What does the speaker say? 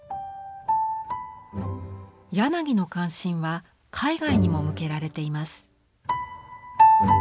柳の関心は海外にも向けられています。